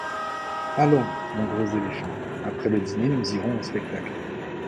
Allons, mon gros éléphant, après le dîner nous irons au spectacle.